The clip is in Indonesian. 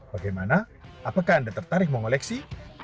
bagaimana apakah anda tertarik mengoleksi